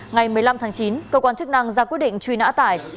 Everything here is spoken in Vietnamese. ngày một mươi năm tháng chín cơ quan chức năng ra quyết định truy nã tải